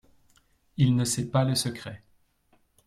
Il ne sait pas le secret.